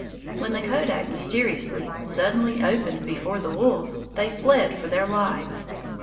When the kodak mysteriously, suddenly opened before the wolves, they fled for their lives.